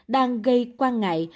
đang gây quan ngại